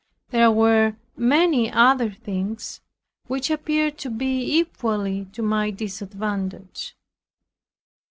There were many other things, which appeared to be equally to my disadvantage.